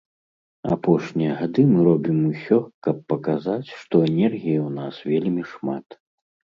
Апошнія гады мы робім усё, каб паказаць, што энергіі ў нас вельмі шмат.